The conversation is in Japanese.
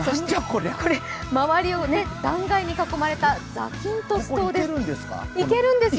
周りを断崖に囲まれたザキントス島です。